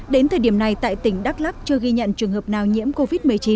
đến thời điểm này tại tỉnh đắk lắc chưa ghi nhận trường hợp nào nhiễm covid một mươi chín